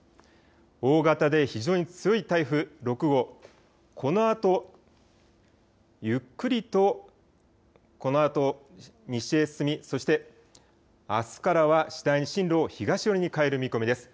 大型で非常に強い台風６号、このあとゆっくりとこのあと西へ進み、そして、あすからは次第に進路を東寄りに変える見込みです。